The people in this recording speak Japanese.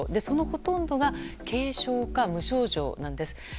そのほとんどが軽症か無症状なんです。